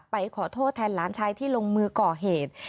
ไปขอโทษแทนหลานชายที่ลงมือก่อเหตุ